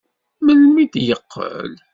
Melmi d-yeqqel?